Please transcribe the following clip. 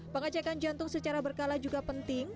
pengecekan jantung secara berkala juga penting